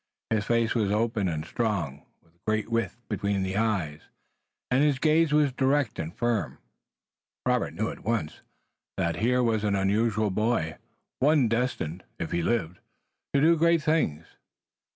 His face was open and strong, with great width between the eyes, and his gaze was direct and firm. Robert knew at once that here was an unusual boy, one destined if he lived to do great things.